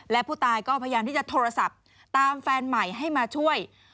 และผู้ตายก็พยายามที่จะโทรศัพท์ตามแฟนใหม่ให้มาช่วย